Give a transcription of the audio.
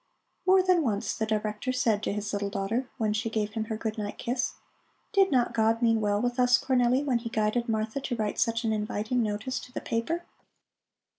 More than once the Director said to his little daughter, when she gave him her goodnight kiss: "Did not God mean well with us, Cornelli, when he guided Martha to write such an inviting notice to the paper?"